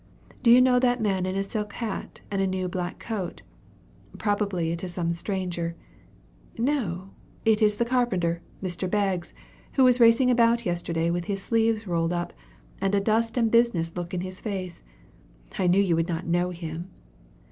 Do you know that man in a silk hat and new black coat? Probably it is some stranger. No; it is the carpenter, Mr. Baggs, who was racing about yesterday with his sleeves rolled up, and a dust and business look in his face! I knew you would not know him.